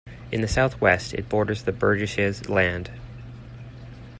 In the southwest it borders the Bergisches Land.